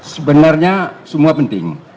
sebenarnya semua penting